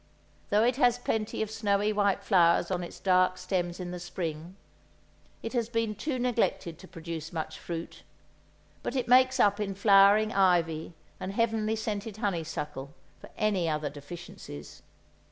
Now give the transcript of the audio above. Though it has plenty of snowy white flowers on its dark stems in the spring, it has been too neglected to produce much fruit; but it makes up in flowering ivy and heavenly scented honeysuckle for any other deficiencies.